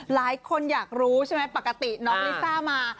หลายคนอยากรู้ใช่ไหมปกติน้องลิซ่ามา